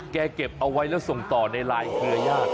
แกเก็บเอาไว้แล้วส่งต่อในรายเกลือญาติ